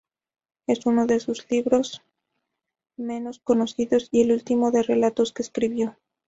Es uno de sus libros menos conocidos, y el último de relatos que escribió.